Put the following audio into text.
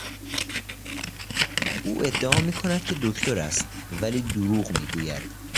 او ادعا میکند که دکتر است ولی دروغ میگوید.